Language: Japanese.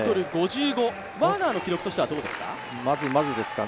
７ｍ５５、ワーナーの記録としてはどうですか？